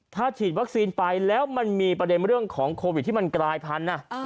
ถ้าฉีดวัคซีนไปแล้วมันมีประเด็นเรื่องของโควิดที่มันกลายพันธุ์